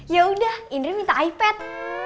yaudah indri minta ipad